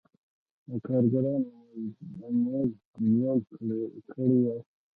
د کارګرانو مزد لوړ کړی وای.